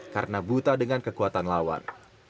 karena buta dengan kekuatan lawan